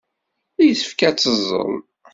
Yessefk ad teẓẓel.